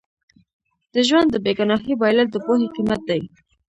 د ژوند د بې ګناهۍ بایلل د پوهې قیمت دی.